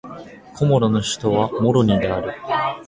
コモロの首都はモロニである